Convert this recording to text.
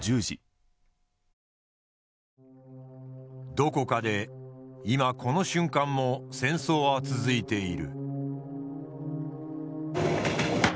どこかで今この瞬間も戦争は続いている。